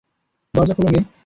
দরজা খোল, মেয়ে!